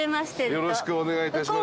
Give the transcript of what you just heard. よろしくお願いします。